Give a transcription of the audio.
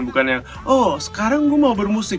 bukan yang oh sekarang gue mau bermusik